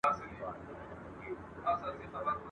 د جګړې په ډګر کي هر څوک خپل جرأت ښکاره کوي.